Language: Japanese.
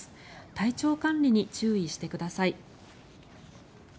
体調管理に注意してください。